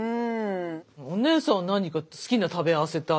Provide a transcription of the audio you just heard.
お姉さんは何か好きな「食べ合わせ」ってある？